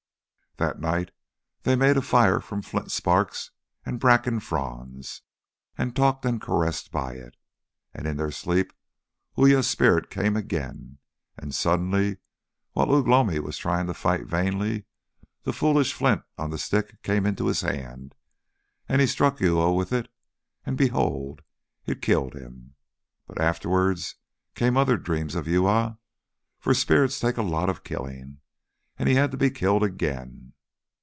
That night they made a fire from flint sparks and bracken fronds, and talked and caressed by it. And in their sleep Uya's spirit came again, and suddenly, while Ugh lomi was trying to fight vainly, the foolish flint on the stick came into his hand, and he struck Uya with it, and behold! it killed him. But afterwards came other dreams of Uya for spirits take a lot of killing, and he had to be killed again.